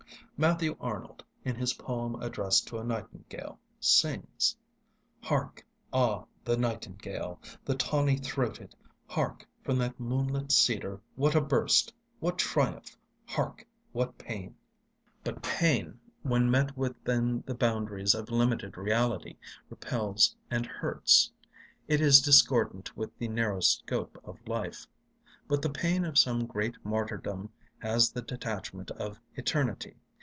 Matthew Arnold, in his poem addressed to a nightingale, sings: Hark! ah, the nightingale— The tawny throated! Hark, from that moonlit cedar what a burst! What triumph! hark!—what pain! But pain, when met within the boundaries of limited reality, repels and hurts; it is discordant with the narrow scope of life. But the pain of some great martyrdom has the detachment of eternity.